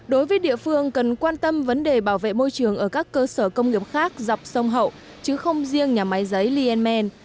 đối với địa phương cần quan tâm vấn đề bảo vệ môi trường ở các cơ sở công nghiệp khác dọc sông hậu chứ không riêng nhà máy giấy lienman